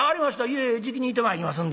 いえいえじきに行ってまいりますんで。